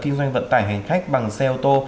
kinh doanh vận tải hành khách bằng xe ô tô